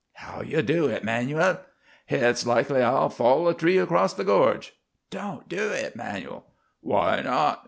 How'll ye do hit, 'Manuel? Hit's likely I'll fall a tree across the gorge. Don't do hit, 'Manuel. Why not?"